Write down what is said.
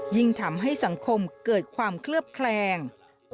ยิ่งทำให้สังคมเกิดความเคลือบแคลง